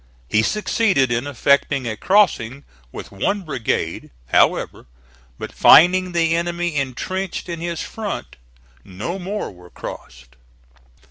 He succeeded in effecting a crossing with one brigade, however, but finding the enemy intrenched in his front, no more were crossed.